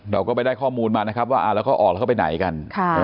เราก็ไปได้ข้อมูลมานะครับว่าแล้วเขาออกแล้วเขาไปไหนกัน